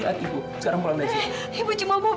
yang kita ada janji kita berdua ndre